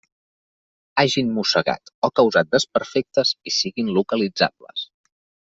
Hagin mossegat o causat desperfectes i siguin localitzables.